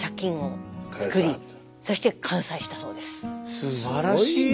すばらしいね。